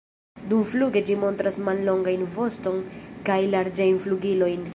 Dumfluge ĝi montras mallongajn voston kaj larĝajn flugilojn.